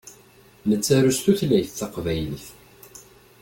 Nettaru s tutlayt taqbaylit.